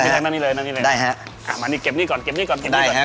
นี่โอ้โห